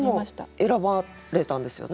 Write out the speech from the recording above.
でも選ばれたんですよね？